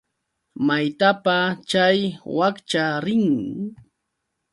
¿Maytapa chay wakcha rin?